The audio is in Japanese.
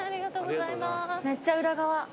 めっちゃ裏側。